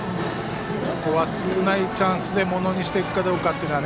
ここは少ないチャンスでものにしていくかどうか。